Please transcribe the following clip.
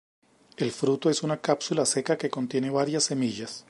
El fruto es una cápsula seca que contienen varias semillas.